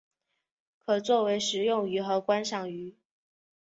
可作为食用鱼和观赏鱼。